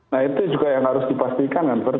nah itu juga yang harus dipastikan kan verdi